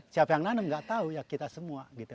siapa yang nanem nggak tahu ya kita semua gitu